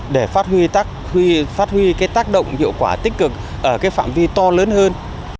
để phát huy cái tác động hiệu quả tích cực ở cái phạm vi to lớn hơn